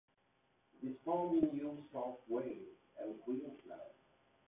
It is found in New South Wales and Queensland.